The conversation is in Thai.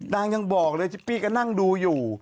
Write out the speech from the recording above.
ยังบอกเลยชิปปี้ก็นั่งดูอยู่